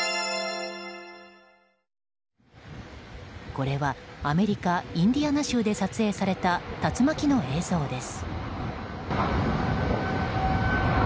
これはアメリカ・インディアナ州で撮影された竜巻の映像です。